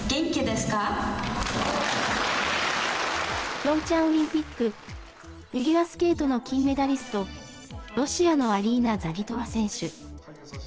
ピョンチャンオリンピック、フィギュアスケートの金メダリスト、ロシアのアリーナ・ザギトワ選手。